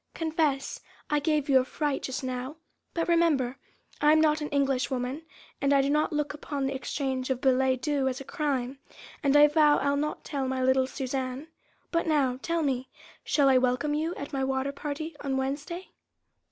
Confess, I gave you a fright just now. ... But, remember, I am not an Englishwoman, and I do not look upon the exchanging of billet doux as a crime, and I vow I'll not tell my little Suzanne. But now, tell me, shall I welcome you at my water party on Wednesday?"